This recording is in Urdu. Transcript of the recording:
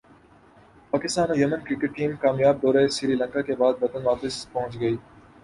پاکستان ویمن کرکٹ ٹیم کامیاب دورہ سری لنکا کے بعد وطن واپس پہنچ گئی